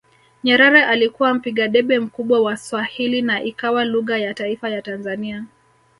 Nyerere alikuwa mpiga debe mkubwa wa Swahili na ikawa lugha ya taifa ya Tanzania